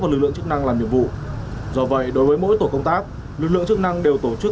lực lượng chức năng làm nhiệm vụ do vậy đối với mỗi tổ công tác lực lượng chức năng đều tổ chức